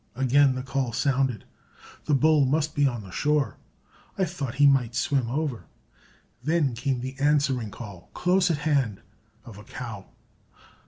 Again the call sounded. The bull must be on the shore. I thought he might swim over. Then came the answering call, close at hand, of a cow.